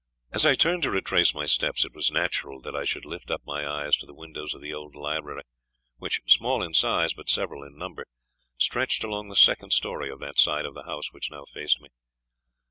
As I turned to retrace my steps, it was natural that I should lift up my eyes to the windows of the old library; which, small in size, but several in number, stretched along the second story of that side of the house which now faced me.